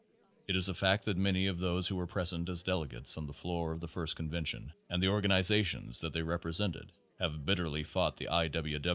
It is a fact that many of those who were present as delegates on the floor of the first convention and the organizations that they represented have bitterly fought the I.